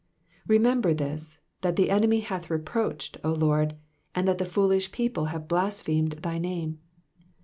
18 Remember this, that the enemy hath reproached, O LORD, and that the foolish people have blasphemed thy name.